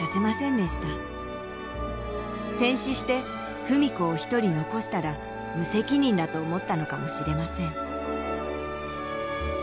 戦死して文子を一人残したら無責任だと思ったのかもしれません